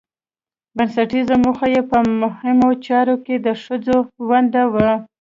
بنسټيزه موخه يې په مهمو چارو کې د ښځو ونډه وه